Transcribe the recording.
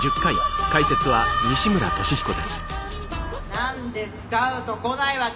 何でスカウト来ないわけ？